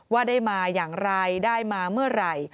ว่าได้มาอย่างไรได้มาเมื่อไหร่